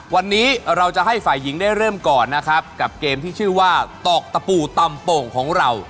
วันนี้เราจะให้ฝ่ายหญิงได้เริ่มก่อนนะครับกับเกมที่ชื่อว่าตอกตะปูตำโป่งของเรา